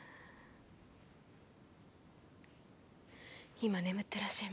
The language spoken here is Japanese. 今眠ってらっしゃいます。